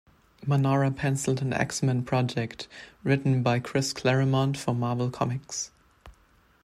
Manara penciled an "X-Men" project written by Chris Claremont for Marvel Comics.